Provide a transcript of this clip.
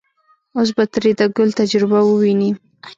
اوس به ترې د ګل تجربه وويني.